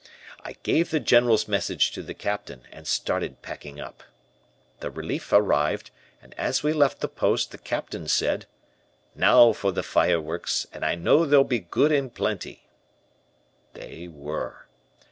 "I gave the General's message to the Captain, and started packing up. "The relief arrived, and as we left the post the Captain said: "'Now for the fireworks, and I know they'll be good and plenty.' They were.